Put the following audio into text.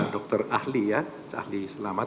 dokter ahli ya ahli selamat